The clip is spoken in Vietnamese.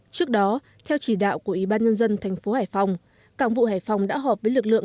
trước đó theo chỉ đạo của ủy ban nhân dân thành phố hải phòng cảng vụ hải phòng đã họp với lực lượng